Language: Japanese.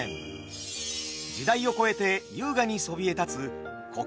時代を超えて優雅にそびえ立つ国宝姫路城。